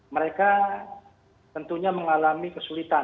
mereka tentunya mengalami kesulitan